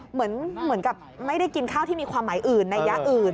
เหมือนกับไม่ได้กินข้าวที่มีความหมายอื่นในยะอื่น